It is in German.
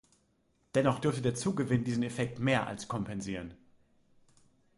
Dennoch dürfte der Zugewinn diesen Effekt mehr als kompensieren.